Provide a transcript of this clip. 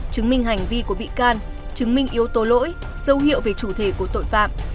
chứng minh hành vi của bị can chứng minh yếu tố lỗi dấu hiệu về chủ thể của tội phạm